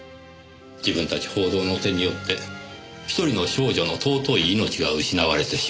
自分たち報道の手によって１人の少女の尊い命が失われてしまった。